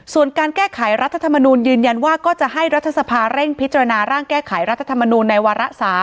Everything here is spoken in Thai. ส่วนการแก้ไขรัฐธรรมนูลยืนยันว่าก็จะให้รัฐสภาเร่งพิจารณาร่างแก้ไขรัฐธรรมนูลในวาระ๓